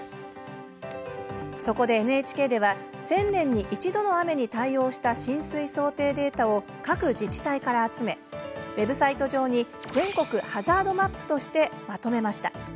そこでＮＨＫでは１０００年に一度の雨に対応した浸水想定データを各自治体から集めウェブサイト上に全国ハザードマップとしてまとめました。